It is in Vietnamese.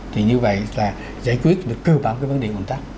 thì như vậy là giải quyết được cơ bản cái vấn đề ủn tắc